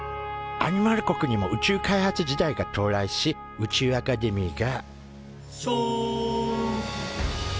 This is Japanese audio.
アニマル国にも宇宙開発時代が到来し宇宙アカデミーが「しょん！！」と誕生。